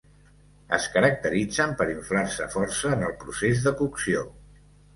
Es caracteritzen per inflar-se força en el procés de cocció.